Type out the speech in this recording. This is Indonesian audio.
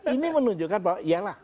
ini menunjukkan bahwa iya lah